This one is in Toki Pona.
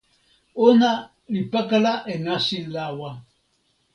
ona li pakala e nasin lawa.